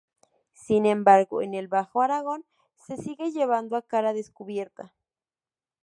Sin embargo en el bajo Aragón se sigue llevando a cara descubierta.